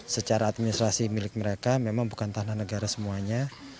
secara administrasi milik mereka memang bukan tanah negara semuanya